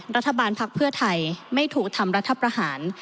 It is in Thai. ภักดิ์เพื่อไทยไม่ถูกทำรัฐประหาร